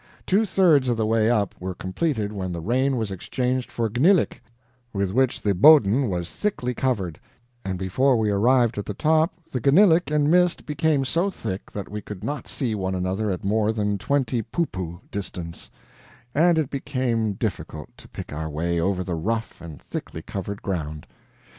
Two thirds of the way up were completed when the rain was exchanged for GNILLIC, with which the BODEN was thickly covered, and before we arrived at the top the GNILLIC and mist became so thick that we could not see one another at more than twenty POOPOO distance, and it became difficult to pick our way over the rough and thickly covered ground.